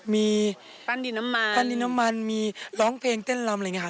มีปั้นดินน้ำมันมีร้องเพลงเต้นลำอะไรอย่างนี้